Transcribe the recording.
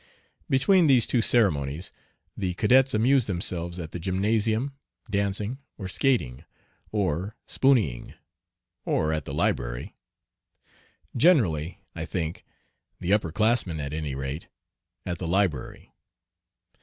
Between these two ceremonies the cadets amuse themselves at the gymnasium, dancing or skating, or "spooneying," or at the library; generally, I think the upper classmen at any rate at the library.